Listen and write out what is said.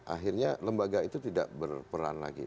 akhirnya lembaga itu tidak berperan lagi